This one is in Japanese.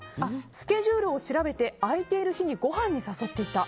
スケジュールを調べて空いている日にごはんに誘っていた。